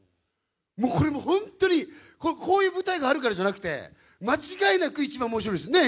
これもう本当に、こういう舞台があるからじゃなくて、間違いなく一番おもしろいです。ね？